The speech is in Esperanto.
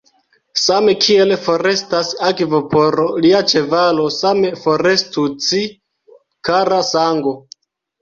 Same kiel forestas akvo por lia ĉevalo, same forestu ci, kara sango!